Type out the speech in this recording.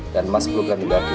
dan emas pelukan di belakang